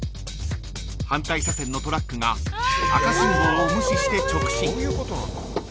反対車線のトラックが赤信号を無視して直進］